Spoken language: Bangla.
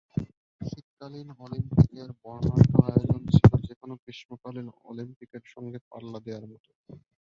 শীতকালীন অলিম্পিকের বর্ণাঢ্য আয়োজন ছিল যেকোনো গ্রীষ্মকালীন অলিম্পিকের সঙ্গে পাল্লা দেওয়ার মতো।